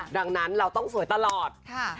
ดังนั้นเราต้องสวยตลอด